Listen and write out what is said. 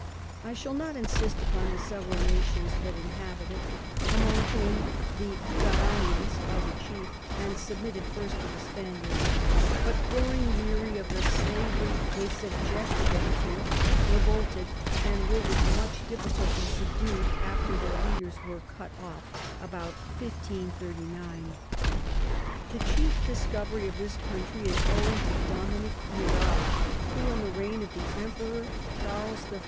I shall not insist upon the several Nations that inhabit it, among whom the Garanians are the chief, and submitted first to the Spaniards; but growing weary of the Slavery they subjected them to, revolted, and were with much difficulty subdu'd after their Leaders were cut off, about 1539. The chief Discovery of this Country is owing to Dominick Irala, who in the Reign of the Emperor Charles V.